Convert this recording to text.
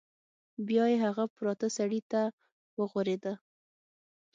بیا یې هغه پراته سړي ته وغوریده.